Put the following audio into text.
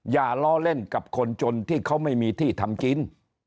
อย่าล้อเล่นกับคนจนที่เขาไม่มีที่ทำกิน